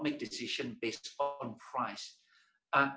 orang tidak membuat keputusan berdasarkan harga